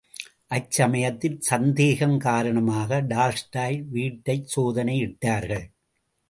அச்சமயத்தில் சந்தேகம் காரணமாக டால்ஸ்டாய் வீட்டைச் சோதனையிட்டார்கள்.